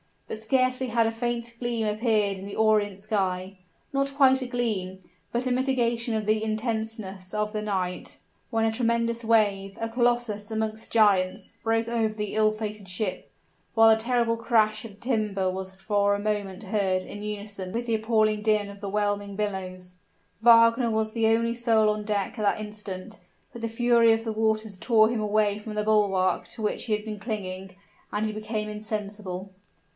But scarcely had a faint gleam appeared in the orient sky not quite a gleam, but a mitigation of the intenseness of the night when a tremendous wave a colossus amongst giants broke over the ill fated ship, while a terrible crash of timber was for a moment heard in unison with the appalling din of the whelming billows. Wagner was the only soul on deck at that instant: but the fury of the waters tore him away from the bulwark to which he had been clinging, and he became insensible.